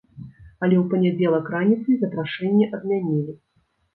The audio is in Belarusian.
Але ў панядзелак раніцай запрашэнне адмянілі.